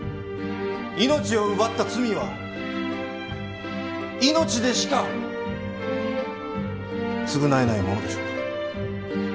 命を奪った罪は命でしか償えないものでしょうか？